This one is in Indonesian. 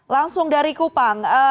langsung dari kupang